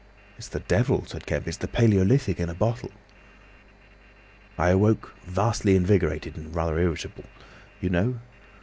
"It's the devil," said Kemp. "It's the palaeolithic in a bottle." "I awoke vastly invigorated and rather irritable. You know?"